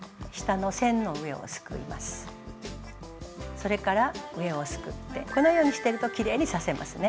それから上をすくってこのようにしてるときれいに刺せますね。